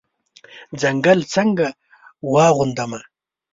ځنګل څنګه واغوندمه